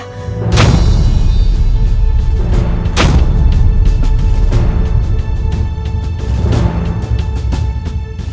apa yang akan terjadi